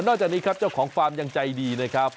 จากนี้ครับเจ้าของฟาร์มยังใจดีนะครับ